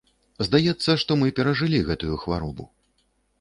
Здаецца, што мы перажылі гэтую хваробу.